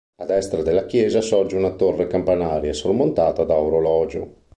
A destra della chiesa sorge una torre campanaria sormontata da orologio.